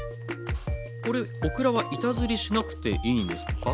これオクラは板ずりしなくていいんですか？